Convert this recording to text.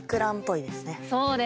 そうですね。